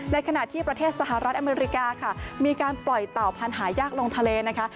ขณะที่ประเทศสหรัฐอเมริกาค่ะมีการปล่อยเต่าพันธุ์หายากลงทะเลนะคะ